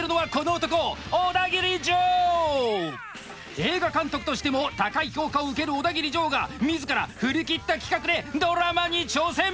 映画監督としても高い評価を受けるオダギリジョーが自ら振り切った企画でドラマに挑戦！